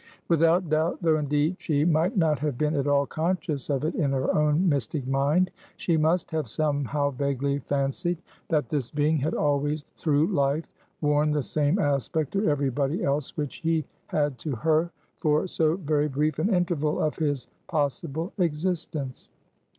Without doubt though indeed she might not have been at all conscious of it in her own mystic mind she must have somehow vaguely fancied, that this being had always through life worn the same aspect to every body else which he had to her, for so very brief an interval of his possible existence.